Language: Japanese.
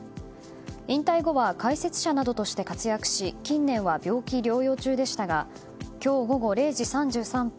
引退後は解説者などとして活躍し近年は病気療養中でしたが今日午後０時３３分